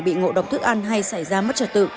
bị ngộ độc thức ăn hay xảy ra mất trật tự